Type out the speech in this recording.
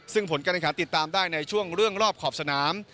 ซึ่งผลการแข่งขันติดตามได้ในช่วงเรื่องรอบขอบสนาม